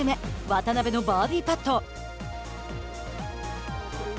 渡邉のバーディーパット。